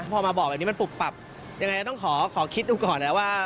พอมาบอกแบบนี้มันปุบปับยังไงก็ต้องขอคิดดูก่อนนะว่า